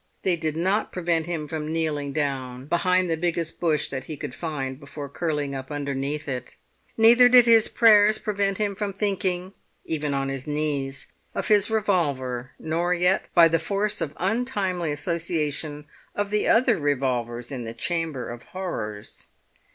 They did not prevent him from kneeling down behind the biggest bush that I he could find, before curling up underneath it; neither did his prayers prevent him from thinking—even on his knees—of his revolver, nor yet—by the force of untimely association—of the other revolvers in the Chamber of Horrors.